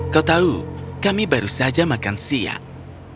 kau tahu kami baru saja makan siang